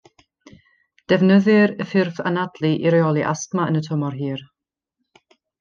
Defnyddir y ffurf anadlu i reoli asthma yn y tymor hir.